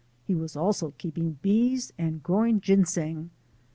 He was also keeping bees and growing ginseng.